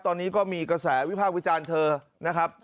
ตอนนี้ก็มีกระแสวิพากษ์วิจารณ์เธอนะครับ